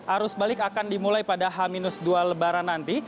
arus balik akan dimulai pada h dua lebaran nanti